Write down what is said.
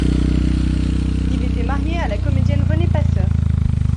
Il était marié à la comédienne Renée Passeur.